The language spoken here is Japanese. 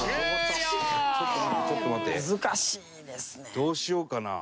どうしようかな？